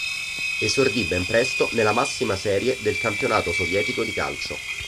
Esordì ben presto nella massima serie del campionato sovietico di calcio.